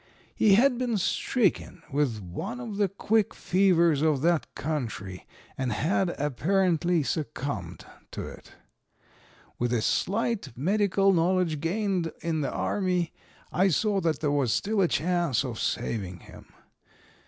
He had been stricken with one of the quick fevers of that country and had apparently succumbed to it. With a slight medical knowledge gained in the army, I saw that there was still a chance of saving him.